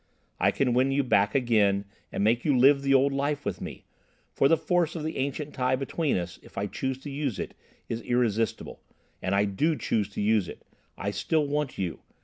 I can win you back again and make you live the old life with me, for the force of the ancient tie between us, if I choose to use it, is irresistible. And I do choose to use it. I still want you.